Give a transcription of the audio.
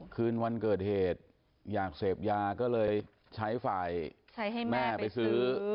คืนวันเกิดเหตุอยากเสพยาก็เลยใช้ฝ่ายแม่ไปซื้อ